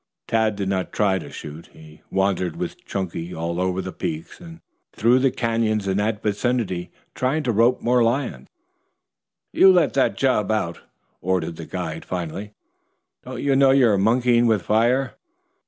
Tad did not try to shoot. He wandered with Chunky all over the peaks and through the Canyon in that vicinity trying to rope more lions. "You let that job out," ordered the guide finally. "Don't you know you're monkeying with fire?